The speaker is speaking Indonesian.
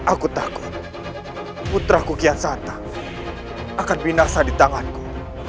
aku takut putra ku kian santang akan binasa di tanganku